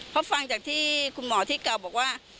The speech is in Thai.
เพราะฟังจากที่คุณหมอที่เก่าบอกว่า